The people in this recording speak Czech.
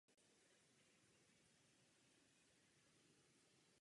Zvítězil v maratonu na mistrovství Evropy v Bělehradě i na Hrách Commonwealthu.